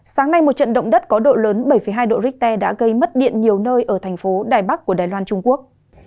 sáng nay một trận động đất có độ lớn bảy hai độ richter đã gây mất điện nhiều nơi ở thành phố đài bắc của đài loan trung quốc